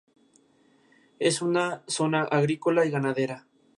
Es una zona agrícola y ganadera.